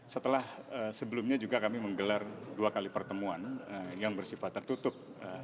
setelah sebelumnya juga kami menggelar dua kali pertemuan yang bersifat tertutup